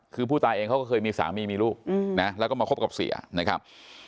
คือผู้ตายเองเขาก็เคยมีสามีมีลูกนะแล้วก็มาคบกับเสียนะครับ